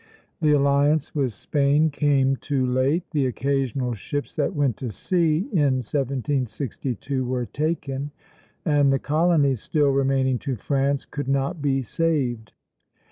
The alliance with Spain came too late. The occasional ships that went to sea in 1762 were taken, and the colonies still remaining to France could not be saved."